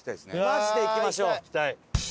マジで行きましょう。